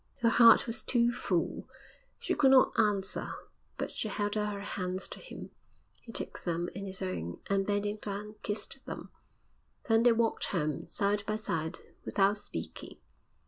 Her heart was too full; she could not answer; but she held out her hands to him. He took them in his own, and, bending down, kissed them. Then they walked home, side by side, without speaking.